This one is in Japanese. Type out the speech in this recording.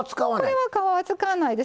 これは皮は使わないです。